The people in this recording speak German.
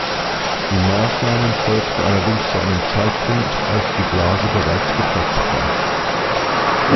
Die Maßnahmen folgten allerdings zu einem Zeitpunkt, als die Blase bereits geplatzt war.